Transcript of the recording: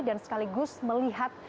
dan sekaligus melihat